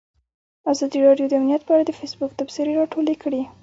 ازادي راډیو د امنیت په اړه د فیسبوک تبصرې راټولې کړي.